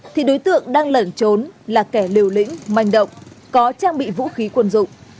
thì đối tượng đang lẩn trốn là kẻ liều lĩnh manh động có trang bị vũ khí quân dụng